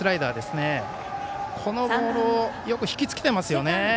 このボールをよく引きつけてますよね。